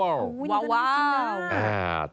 อุ๊ยนี่ก็น่าทานมาก